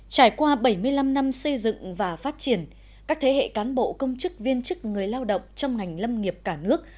trải qua bảy mươi năm năm xây dựng và phát triển các thế hệ cán bộ công chức viên chức người lao động trong ngành lâm nghiệp cả nước